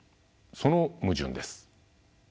その矛盾です。